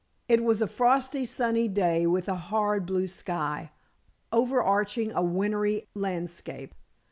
It was a frosty, sunny day, with a hard blue sky, overarching a wintry landscape.